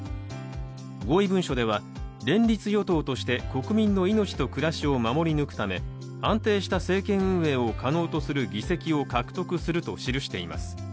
合意文書では、連立与党として国民の命と暮らしを守り抜くため安定した政権運営を可能とする議席を獲得すると記しています。